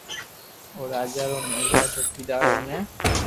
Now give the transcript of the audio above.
او راجا رو مھل را چوڪيدار اوني